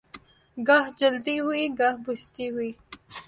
گاہ جلتی ہوئی گاہ بجھتی ہوئی